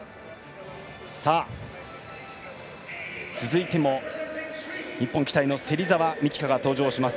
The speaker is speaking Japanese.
続いても日本期待の芹澤美希香が登場します。